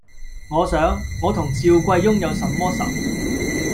我想：我同趙貴翁有什麼讎，